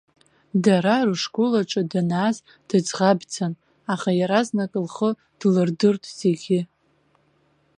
Дара рышкол аҿы данааз дыӡӷабӡан, аха иаразнак лхы длырдырт зегьы.